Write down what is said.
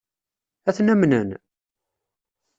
Ad ten-amnen?